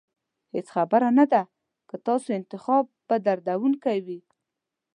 هېڅ خبره نه ده که ستاسو انتخاب به دردونکی وي.